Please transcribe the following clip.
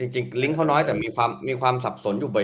จริงลิงก์เขาน้อยแต่มีความสับสนอยู่บ่อย